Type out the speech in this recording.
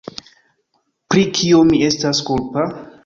Pri kio mi estas kulpa?